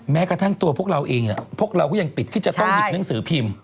แม้กระทั่งตัวพวกเราเองพวกเราก็ยังติดที่จะต้องหยิบหนังสือพิมพ์